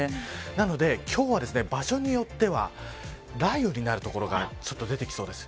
なので、今日は場所によっては雷雨になる所が出てきそうです。